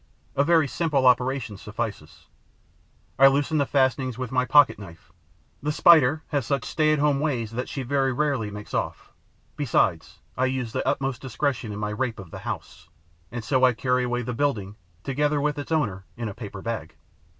A very simple operation suffices. I loosen the fastenings with my pocket knife. The Spider has such stay at home ways that she very rarely makes off. Besides, I use the utmost discretion in my rape of the house. And so I carry away the building, together with its owner, in a paper bag.